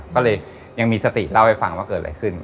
ก็เลยยังมีสติเล่าให้ฟังว่าเกิดอะไรขึ้น